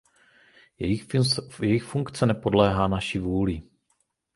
Jejich funkce nepodléhá naší vůli.